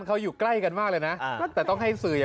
เขาแกล้งเขากันแกล้งทุกทีเลยอ่ะ